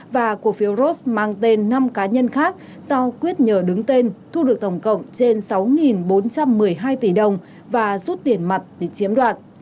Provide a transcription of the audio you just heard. và cổ phiếu ros mang tên năm cá nhân khác do quyết nhờ đứng tên thu được tổng cộng trên sáu bốn trăm một mươi hai tỷ đồng và rút tiền mặt để chiếm đoạt